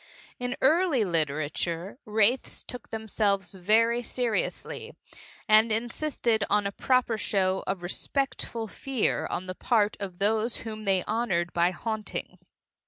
In early literature wraiths took themselves very seriously, and insisted on a proper show of respectful fear on the part of those whom they honored by haunting.